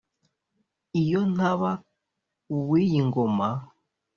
Iyo ntaba uw'iyi ngoma